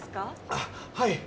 あっはい。